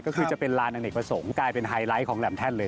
ก็คือจะเป็นลานอเนกประสงค์กลายเป็นไฮไลท์ของแหลมแท่นเลย